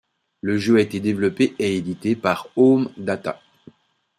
Le jeu a été développé et édité par Home Data.